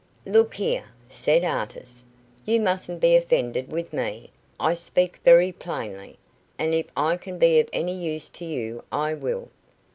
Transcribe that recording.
"Look here," said Artis; "you mustn't be offended with me. I speak very plainly, and if I can be of any use to you, I will."